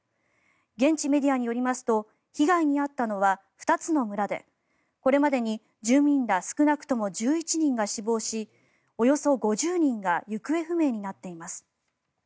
現地メディアによりますと被害に遭ったのは２つの村でこれまでに住民ら少なくとも１１人が死亡しおよそ５０人が行方不明になっています。